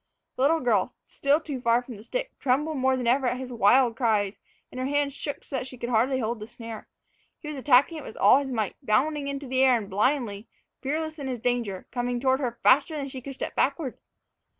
The little girl, still too far from the stick, trembled more than ever at his wild cries, and her hand shook so that she could hardly hold the snare. He was attacking it with all his might, bounding into the air and, blindly fearless in his danger, coming toward her faster than she could step backward.